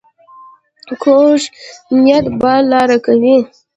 کوږ نیت بې لارې کوي